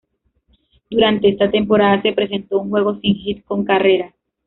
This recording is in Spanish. Durante esta temporada se presentó un juego sin hit con carrera.